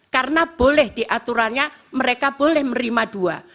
karena boleh diaturannya mereka boleh merima dua